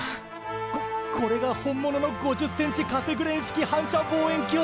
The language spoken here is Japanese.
ここれが本物の５０ｃｍカセグレン式反射望遠鏡！